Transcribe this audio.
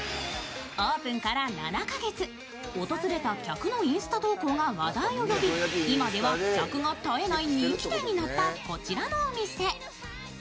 オープンから７カ月、訪れた客のインスタ投稿が話題となり今では客が絶えない人気店になったこちらのお店。